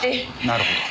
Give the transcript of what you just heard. なるほど。